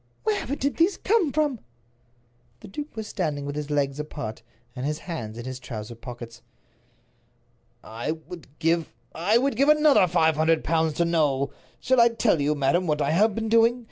Wherever did these come from?" The duke was standing with his legs apart, and his hands in his trousers pockets. "I would give—I would give another five hundred pounds to know. Shall I tell you, madam, what I have been doing?